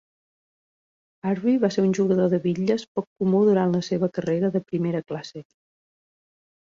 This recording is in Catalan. Harvey va ser un jugador de bitlles poc comú durant la seva carrera de primera classe.